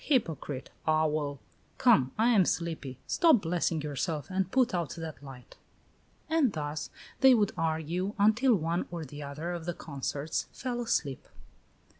Hypocrite! Owl! Come, I am sleepy; stop blessing yourself and put out that light." And thus they would argue until one or the other of the consorts fell asleep.